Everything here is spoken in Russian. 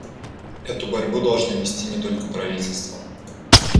Эту борьбу должны вести не только правительства.